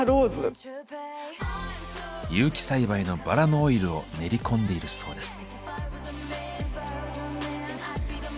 有機栽培のバラのオイルを練り込んでいるそうです。